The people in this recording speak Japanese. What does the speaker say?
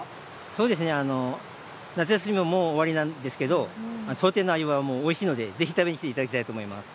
そうですね、夏休みももう終わりなんですけれども、アユはおいしいので、ぜひ食べに来ていただきたいと思います。